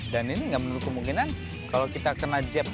dan ini gak perlu kemungkinan kalau kita kena jab